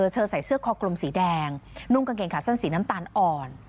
ใส่เสื้อคอกลมสีแดงนุ่งกางเกงขาสั้นสีน้ำตาลอ่อน